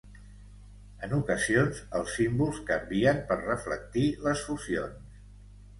En ocasions els símbols canvien per reflectir les fusions.